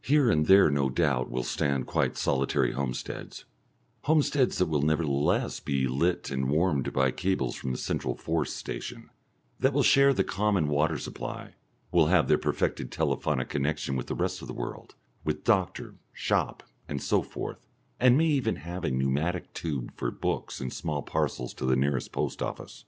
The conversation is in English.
Here and there, no doubt, will stand quite solitary homesteads, homesteads that will nevertheless be lit and warmed by cables from the central force station, that will share the common water supply, will have their perfected telephonic connection with the rest of the world, with doctor, shop, and so forth, and may even have a pneumatic tube for books and small parcels to the nearest post office.